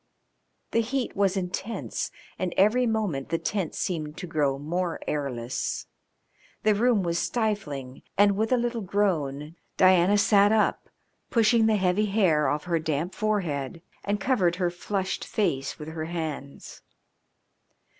The heat was intense and every moment the tent seemed to grow more airless. The room was stifling, and, with a little groan, Diana sat up, pushing the heavy hair oft her damp forehead, and covered her flushed face with her hands.